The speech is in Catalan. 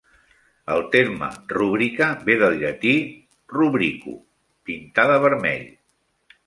El terme "rúbrica" ve del llatí "rubrico", "pintar de vermell".